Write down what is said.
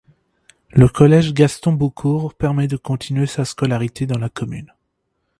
Le collège Gaston Boucourt permet de continuer sa scolarité dans la commune.